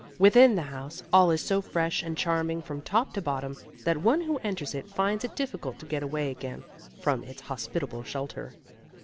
Within the house all is so fresh and charming from top to bottom, that one who enters it finds it difficult to get away again from its hospitable shelter.